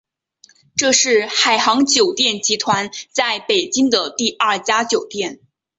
这是海航酒店集团在北京的第二家酒店。